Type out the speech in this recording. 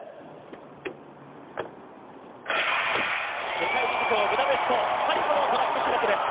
世界陸上ブダペスト最後のトラック種目です。